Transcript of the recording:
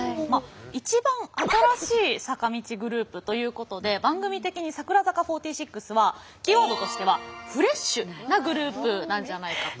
一番新しい坂道グループということで番組的に櫻坂４６はキーワードとしては「フレッシュ」なグループなんじゃないかと。